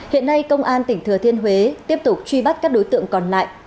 hiện nay công an tỉnh thừa thiên huế tiếp tục truy bắt các đối tượng còn lại